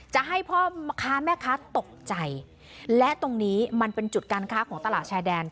จะให้พ่อค้าแม่ค้าตกใจและตรงนี้มันเป็นจุดการค้าของตลาดชายแดน